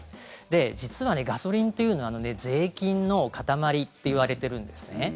実はガソリンっていうのは税金の塊といわれているんですね。